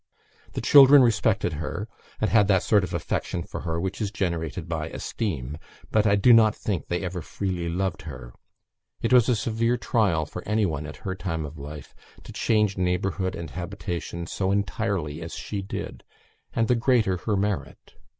The children respected her, and had that sort of affection for her which is generated by esteem; but I do not think they ever freely loved her. It was a severe trial for any one at her time of life to change neighbourhood and habitation so entirely as she did; and the greater her merit.